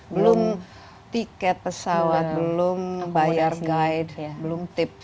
belum tiket pesawat belum bayar guide belum tips